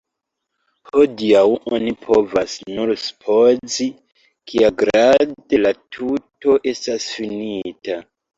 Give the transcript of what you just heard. Hodiaŭ oni povas nur supozi, kiagrade la tuto estas finita.